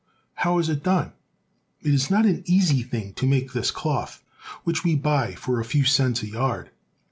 How is it done? It is not an easy thing to make this cloth which we buy for a few cents a yard.